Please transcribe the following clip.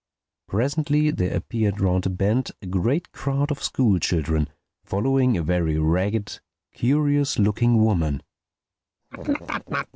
Presently there appeared round a bend a great crowd of school children following a very ragged, curious looking woman.